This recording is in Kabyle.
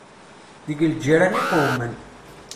Deg lǧiran i qewmen.